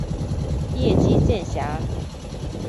叶基渐狭。